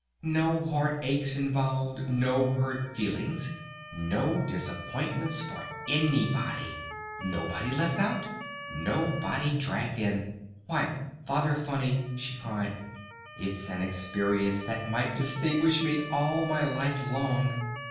No heart aches involved, no hurt feelings, no disappointments for anybody! Nobody left out! Nobody dragged in! Why Father Funny," she cried. "It's an experience that might distinguish me all my life long!